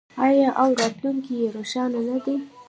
آیا او راتلونکی یې روښانه نه دی؟